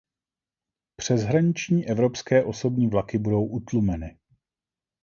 Přeshraniční evropské osobní vlaky budou utlumeny.